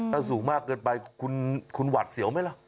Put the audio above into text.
ถ้าสูงมากเกินไปคุณหวัดเสียวไหมล่ะ